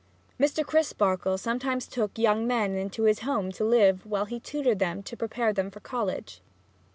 Mr. Crisparkle sometimes took young men into his home to live while he tutored them to prepare them for college.